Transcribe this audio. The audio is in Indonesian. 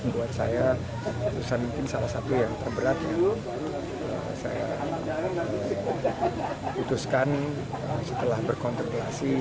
buat saya keputusan mungkin salah satu yang terberatnya saya putuskan setelah berkontribusi